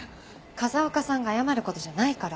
・風岡さんが謝ることじゃないから。